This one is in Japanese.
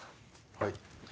はい。